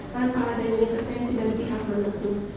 tanpa ada intervensi dari pihak menentu